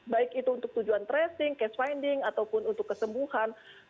baik itu untuk tujuan tracing case finding ataupun untuk kesembuhan